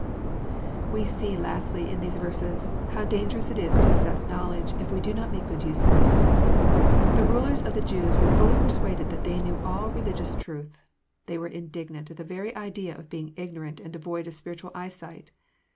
We see, lastly, in these verses, how dangwouB it is to possess knowledge^ if we do not make a good itse of it. The rulers of the Jews were fully persuaded that they knew all religious truth. They were indignant at the very idea of being ignorant and devoid of spiritual eyesight.